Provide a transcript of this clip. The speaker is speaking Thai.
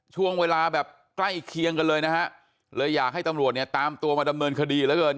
ช่วงเวลาแบบใกล้เคียงกันเลยนะฮะเลยอยากให้ตำรวจเนี่ยตามตัวมาดำเนินคดีเหลือเกิน